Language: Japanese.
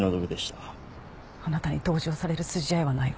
あなたに同情される筋合いはないわ。